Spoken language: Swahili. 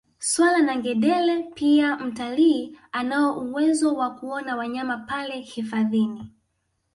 Swala na ngedele pia mtalii anao uwezo wa kuona wanyama pale hifadhini